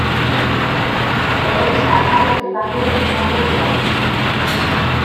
Telebista kate pribatuek ondotxo dakite.